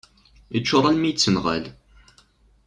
Yeččur almi yettenɣal.